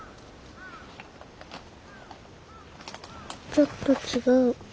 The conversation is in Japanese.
ちょっと違う。